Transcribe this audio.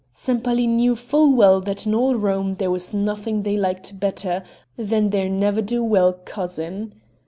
Sempaly knew full well that in all Rome there was nothing they liked better than their ne'er do weel cousin.